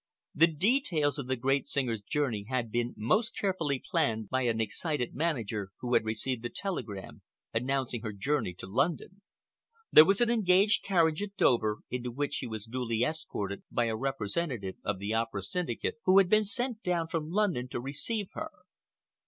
The details of the great singer's journey had been most carefully planned by an excited manager who had received the telegram announcing her journey to London. There was an engaged carriage at Dover, into which she was duly escorted by a representative of the Opera Syndicate, who had been sent down from London to receive her.